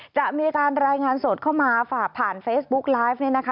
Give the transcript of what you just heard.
จะมีการรายงานสดเข้ามาฝากผ่านเฟซบุ๊กไลฟ์เนี่ยนะคะ